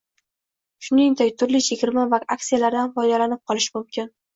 Shuningdek turli chegirma va aksiyalardan foydalanib qolish mumkin